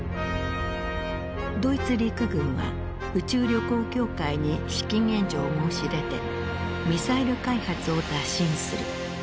ドイツ陸軍は宇宙旅行協会に資金援助を申し出てミサイル開発を打診する。